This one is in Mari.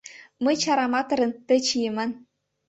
— Мый — чараматырын, тый — чиеман.